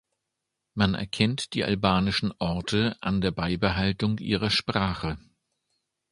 Man erkennt die albanischen Orte an der Beibehaltung ihrer Sprache.